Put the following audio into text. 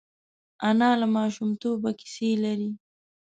انا له ماشومتوبه کیسې لري